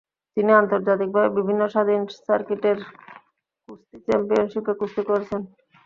তিনি আন্তর্জাতিকভাবে বিভিন্ন স্বাধীন সার্কিটের কুস্তি চ্যাম্পিয়নশীপে কুস্তি করেছেন।